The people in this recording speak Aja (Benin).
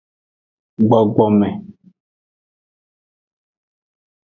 Gbogbome.